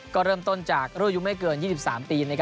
ก็เริ่มต้นจากรุ่นอายุไม่เกิน๒๓ปี